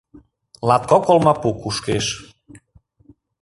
Латкок олмапу кушкеш.